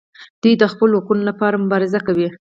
دوی د خپلو حقونو لپاره مبارزه کوي.